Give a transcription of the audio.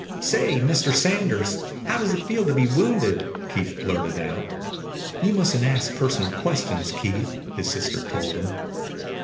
"Say, Mr. Sanders, how does it feel to be wounded?" Keith blurted out. "You mustn't ask personal questions, Keith," his sister told him.